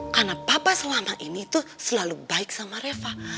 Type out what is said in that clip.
karena papa selama ini tuh selalu baik sama reva